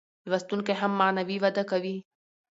لوستونکی هم معنوي وده کوي.